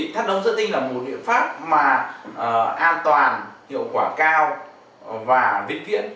thắt ống dựa tinh là một biện pháp mà an toàn hiệu quả cao và viết viễn